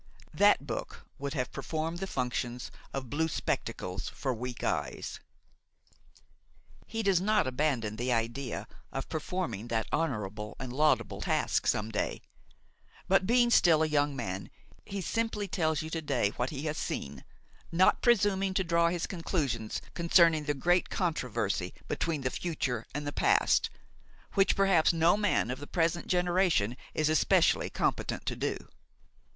That book would have performed the functions of blue spectacles for weak eyes. He does not abandon the idea of performing that honorable and laudable task some day; but, being still a young man, he simply tells you to day what he has seen, not presuming to draw his conclusions concerning the great controversy between the future and the past, which perhaps no man of the present generation is especially competent to do.